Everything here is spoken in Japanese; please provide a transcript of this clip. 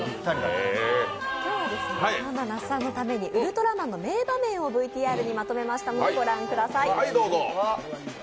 今日はそんな那須さんのために「ウルトラマン」の名場面をＶＴＲにまとめましたのでご覧ください。